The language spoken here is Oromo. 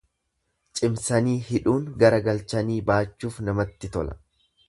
Cimsanii hidhuun garagalchanii baachuuf namatti tola.